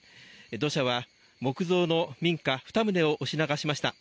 土砂は木造の民家２棟を押し流しました。